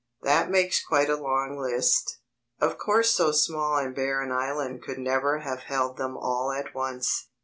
That makes quite a long list. Of course so small and bare an island could never have held them all at once.